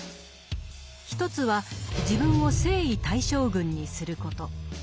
一つは自分を征夷大将軍にすること。